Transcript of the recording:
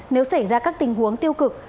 nếu xảy ra các tình huống tiêu cực